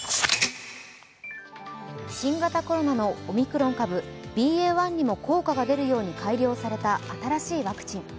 新型コロナのオミクロン株ＢＡ．１にも効果が出るように改良された新しいワクチン。